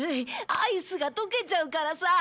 アイスが溶けちゃうからさあ。